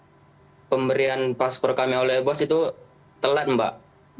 karena waktu itu pemberian paspor kami oleh bos itu telat mbak